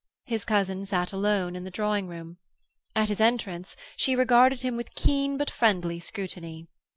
His cousin sat alone in the drawing room. At his entrance she regarded him with keen but friendly scrutiny.